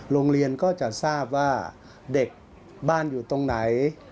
โรงเรียนก็จะทราบว่าเด็กบ้านอยู่ตรงไหน